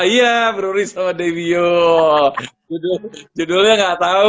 ya brury sama dewiul judulnya nggak tahu